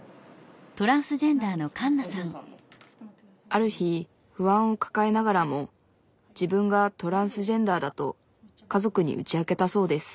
ある日不安を抱えながらも自分がトランスジェンダーだと家族に打ち明けたそうです。